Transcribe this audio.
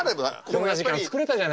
こんな時間作れたじゃないですか。